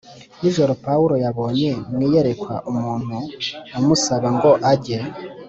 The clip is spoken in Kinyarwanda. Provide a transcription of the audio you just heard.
nijoro Pawulo yabonye mu iyerekwa umuntu umusaba ngo ajye